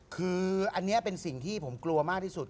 คืออันนี้เป็นสิ่งที่ผมกลัวมากที่สุด